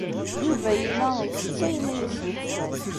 Yuba yella ittett ayen ay as-yehwan.